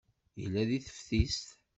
Yella deg teftist.